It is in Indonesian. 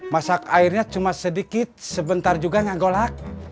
masak airnya cuma sedikit sebentar juga nggak golak